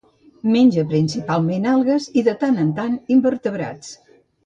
Menja principalment algues i, de tant en tant, invertebrats.